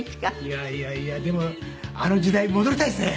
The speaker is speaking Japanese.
いやいやいやでもあの時代に戻りたいですね。